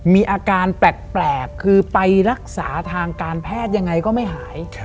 มีอาการแปลกคือไปรักษาทางการแพทย์ยังไงก็ไม่หาย